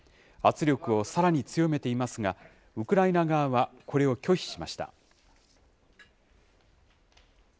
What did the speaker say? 圧力をさらに強めていますが、ウクライナ側はこれを拒否しました。